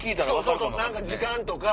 そうそう何か時間とか。